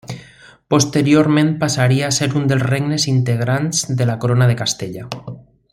Posteriorment passaria a ser un dels regnes integrants de la Corona de Castella.